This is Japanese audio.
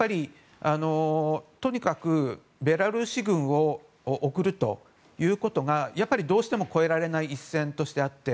とにかくベラルーシ軍を送るということがやっぱりどうしても越えられない一線としてあって。